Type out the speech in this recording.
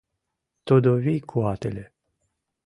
Тудо вий-куат ыле.